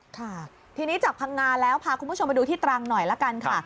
ค่ะทีนี้จากพังงาแล้วพาคุณผู้ชมไปดูที่ตรังหน่อยละกันค่ะ